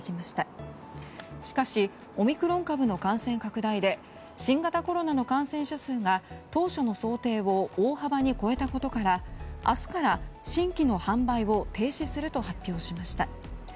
しかし、オミクロン株の感染拡大で新型コロナの感染者数が当初の想定を大幅に超えたことから明日から新規の販売を停止すると発表しました。